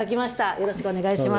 よろしくお願いします。